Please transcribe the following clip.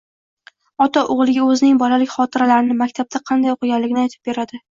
Ota o‘g‘liga o‘zining bolalik xotiralarini, maktabda qanday o‘qiganligini aytib beradi.